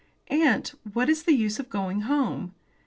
"Aunt, what is the use of going home?"